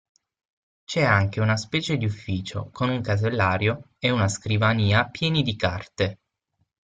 C'è anche una specie di ufficio con un casellario e una scrivania pieni di carte.